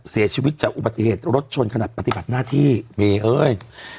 เสียชีวิตจากอุบัติเหตุรถชนขนาดปฏิบัติหน้าที่เมย์เอ้ย